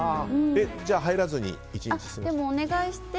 じゃあ入らずに１日過ごして？